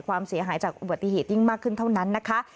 ความเสียหายจากอุบัติเหตุยิ่งมากขึ้นเท่านั้นนะคะ